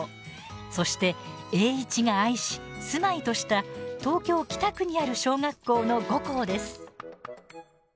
そして、栄一が愛し住まいとした東京・北区にある小学校の５校です。